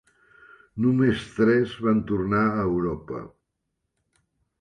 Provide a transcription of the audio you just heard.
Només tres van tornar a Europa.